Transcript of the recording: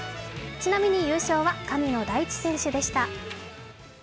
ちなみに優勝は神野大地選手でした。